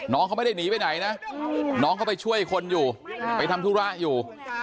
น้องเขาไม่ได้หนีไปไหนนะน้องเขาไปช่วยคนอยู่ไปทำธุระอยู่